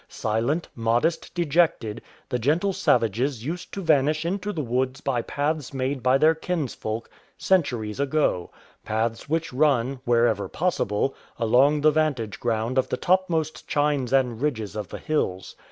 Silent, modest, dejected, the gentle savages used to vanish into the woods by paths made by their kinsfolk centuries ago — paths which run, wherever possible, along the vantage ground of the topmost chines and ridges of the hills.